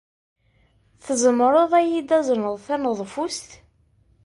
Tzemreḍ ad iyi-d-tazneḍ taneḍfust?